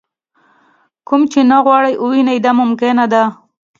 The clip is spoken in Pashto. کوم چې نه غواړئ ووینئ دا ممکنه ده.